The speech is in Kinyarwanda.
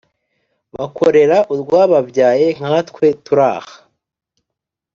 bakorera urwababyaye nkatwe turaha